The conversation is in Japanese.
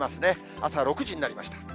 朝６時になりました。